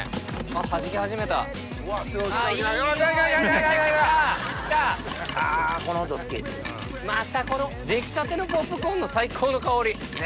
またこの出来たてのポップコーンの最高の香り！